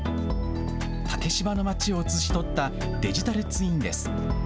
竹芝の町を写し取ったデジタルツインです。